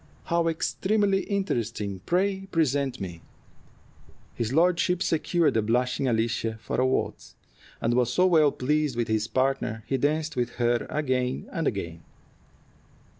"How extremely interesting! Pray present me." His lordship secured the blushing Alicia for a waltz, and was so well pleased with his partner he danced with her again and again.